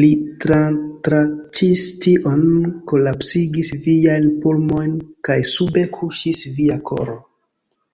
Li tratranĉis tion, kolapsigis viajn pulmojn, kaj sube kuŝis via koro!